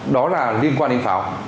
đó là liên quan đến pháo